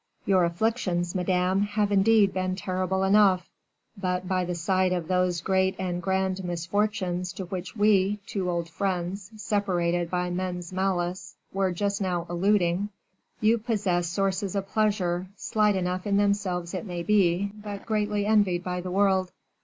"Your afflictions, madame, have indeed been terrible enough. But by the side of those great and grand misfortunes to which we, two old friends, separated by men's malice, were just now alluding, you possess sources of pleasure, slight enough in themselves it may be, but greatly envied by the world."